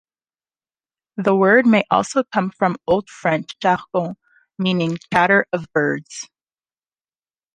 The word may also come from Old French "jargon" meaning "chatter of birds".